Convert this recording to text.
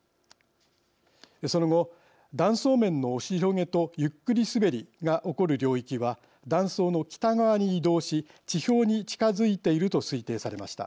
その後断層面の押し広げとゆっくり滑りが起こる領域は断層の北側に移動し地表に近づいていると推定されました。